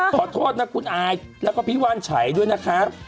ขอโทษนะครูอายแล้วก็พี่วาลไฉด้วยนะครับ